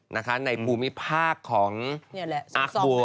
ในภูมิภาคของอาร์กบัว